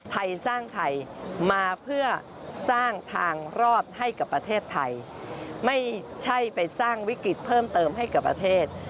ไทยสร้างไทยมาเพื่อสร้างทางรอดให้กับประเทศไทยไม่ใช่ไปสร้างวิกฤตเพิ่มเติมให้กับประเทศ